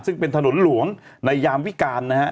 ซึ่งเป็นถนนหลวงในยามวิการนะฮะ